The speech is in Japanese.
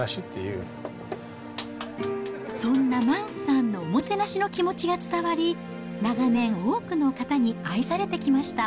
そんなマンスさんのおもてなしの気持ちが伝わり、長年、多くの方に愛されてきました。